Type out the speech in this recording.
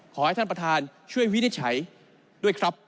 ขอให้ท่านประธานช่วยวินิจฉัยด้วยครับ